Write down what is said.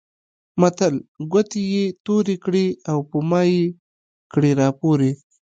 متل؛ ګوتې يې تورې کړې او په مايې کړې راپورې.